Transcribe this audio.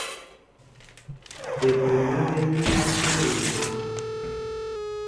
Epúmā é líí á téwili mwǎ.